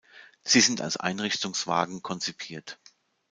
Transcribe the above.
Sie sind als Einrichtungswagen konzipiert.